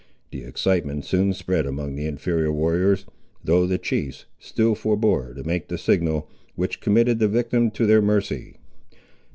The excitement soon spread among the inferior warriors, though the chiefs still forbore to make the signal, which committed the victim to their mercy.